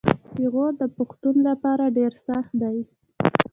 پېغور د پښتون لپاره ډیر سخت دی.